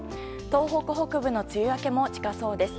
東北北部の梅雨明けも近そうです。